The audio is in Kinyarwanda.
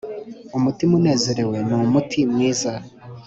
umutima unezerewe ni umuti mwiza,